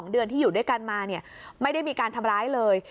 ๒เดือนที่อยู่ด้วยกันมาไม่ได้มีการทำร้ายเลย